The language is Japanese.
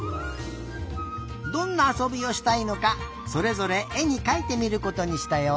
どんなあそびをしたいのかそれぞれえにかいてみることにしたよ。